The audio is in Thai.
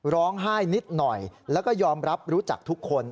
ร้องไห้นิดหน่อยแล้วก็ยอมรับรู้จักทุกคน